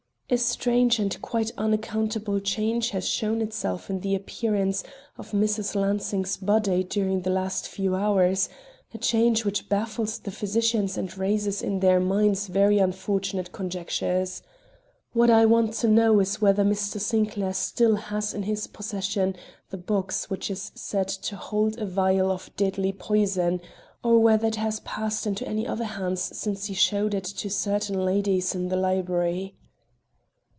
"A strange and quite unaccountable change has shown itself in the appearance of Mrs. Lansing's body during the last few hours; a change which baffles the physicians and raises in their minds very unfortunate conjectures. What I want to know is whether Mr. Sinclair still has in his possession the box which is said to hold a vial of deadly poison, or whether it has passed into any other hand since he showed it to certain ladies in the library."